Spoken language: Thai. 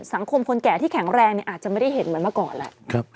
คนแก่ที่แข็งแรงอาจจะไม่ได้เห็นเหมือนเมื่อก่อนแหละ